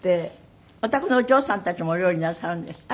おたくのお嬢さんたちもお料理なさるんですって？